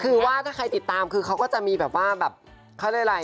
คือว่าถ้าใครติดตามคือเขาก็จะมีแบบว่าแบบเขาเรียกอะไร